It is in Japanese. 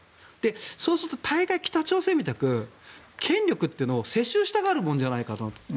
そうすると、北朝鮮みたく権力を世襲したがるものじゃないかと。